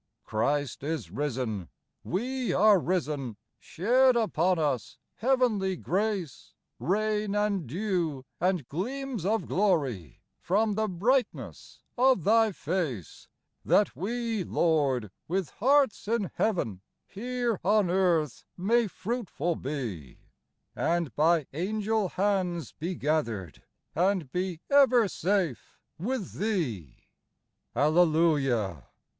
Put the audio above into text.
Christ is risen, we are risen : Shed upon us heavenly grace, Rain and dew, and gleams of glory, From the brightness of Thy face ; That we, Lord, with hearts in heaven, Here on earth may fruitful be, And by angel hands be gathered, And be ever safe with Thee. Alleluia